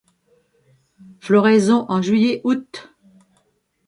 Floraison en juillet-août.